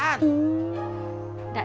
saya udah pake